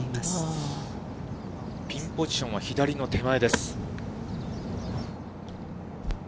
ピンポジションは左の手前です。